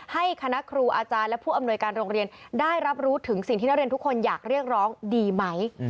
ให้คณะครูอาจารย์และผู้อำนวยการโรงเรียนได้รับรู้ถึงสิ่งที่นักเรียนทุกคนอยากเรียกร้องดีไหม